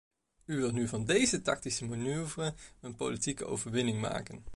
U wilt nu van deze tactische manoeuvre een politieke overwinning maken.